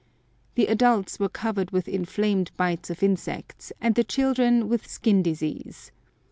The adults were covered with inflamed bites of insects, and the children with skin disease.